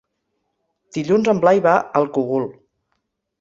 Dilluns en Blai va al Cogul.